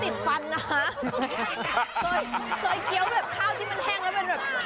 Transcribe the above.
ซอยเกี๊ยวแบบข้าวที่มันแห้งแล้วมันแบบ